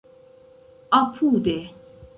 apude